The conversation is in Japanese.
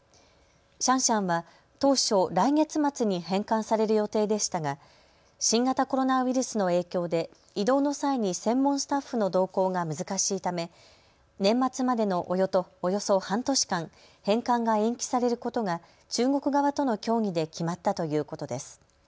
シャンシャンは当初、来月末に返還される予定でしたが新型コロナウイルスの影響で移動の際に専門スタッフの同行が難しいため年末までのおよそ半年間、返還が延期されることが中国側との協議で決まったということです。